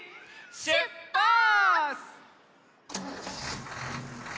しゅっぱつ！